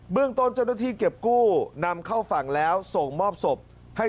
เรื่องต้นเจ้าหน้าที่เก็บกู้นำเข้าฝั่งแล้วส่งมอบศพให้